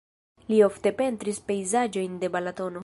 Li ofte pentris pejzaĝojn de Balatono.